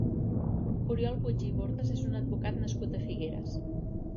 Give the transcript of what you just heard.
Oriol Puig i Bordas és un advocat nascut a Figueres.